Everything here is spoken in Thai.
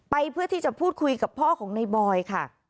เพื่อที่จะพูดคุยกับพ่อของในบอยค่ะ